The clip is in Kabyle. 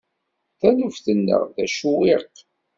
Taluft-nneɣ d acewwiq.